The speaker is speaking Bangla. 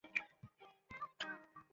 জিনিসপত্র নিয়ে বাস থেকে নেমে পড়ুন।